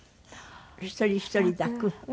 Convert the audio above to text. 一人一人抱く。